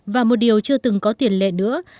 và một điều chưa từng có tiền lệ nữa